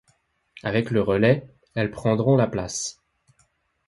Avec le relais, elles prendront la place.